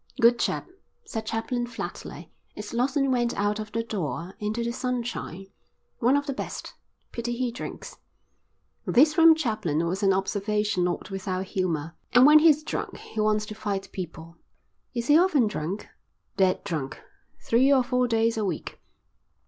"Good chap," said Chaplin flatly, as Lawson went out of the door into the sunshine. "One of the best. Pity he drinks." This from Chaplin was an observation not without humour. "And when he's drunk he wants to fight people." "Is he often drunk?" "Dead drunk, three or four days a week.